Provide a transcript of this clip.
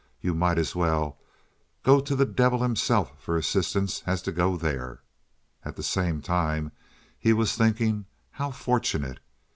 You might as well go to the devil himself for assistance as go there." At the same time he was thinking "How fortunate!"